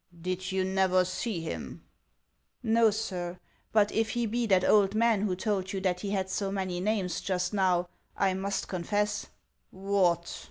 " Did you never see him ?"" No, sir ; but if he be that old man who told you that he had so many names just now, I must confess —'" What